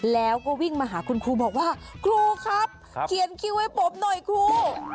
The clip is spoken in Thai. แล้วก็วิ่งมาหาคุณครูบอกว่าครูครับเขียนคิวให้ผมหน่อยครู